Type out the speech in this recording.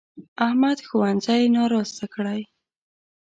احمد ښوونځی ناراسته کړی.